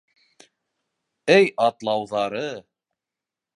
Эй атлауҙары!